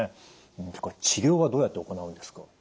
治療はどうやって行うんですか？